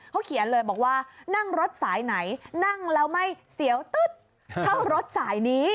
เขาเขียนเลยบอกว่านั่งรถสายไหนนั่งแล้วไม่เสียวตึ๊ดเข้ารถสายนี้